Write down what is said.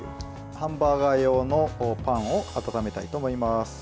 ハンバーガー用のパンを温めたいと思います。